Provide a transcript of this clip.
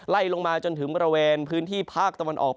ไล่ลงมาจนถึงบริเวณพื้นที่ภาคตะวันออก